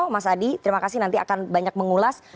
mas adi terima kasih nanti akan banyak mengulas